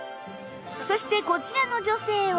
そしてこちらの女性は